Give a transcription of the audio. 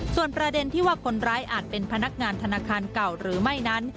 ส่วนประเด็นที่ว่าคนร้ายอาจเป็นพนักงานธนาคารเก่าหรือไม่นั้น